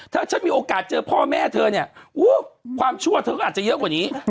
ถ้าฉันมีโอกาสเจอพ่อแม่เธอเนี่ยความชั่วเธอก็อาจจะเยอะกว่านี้